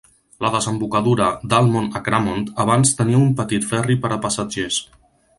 La desembocadura d"Almond a Cramond abans tenia un petit ferri per a passatgers.